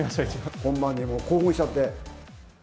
本番に興奮しちゃって。